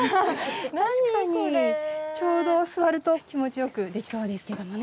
確かにちょうど座ると気持ちよくできそうですけどもね。